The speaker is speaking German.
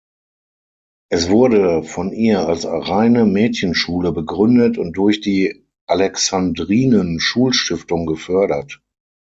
Es wurde von ihr als reine Mädchenschule begründet und durch die Alexandrinen-Schulstiftung gefördert.